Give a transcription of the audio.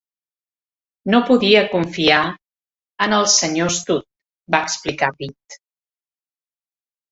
"No podia confiar en el senyor Studd", va explicar Peate.